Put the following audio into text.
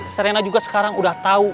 serena juga sekarang udah tahu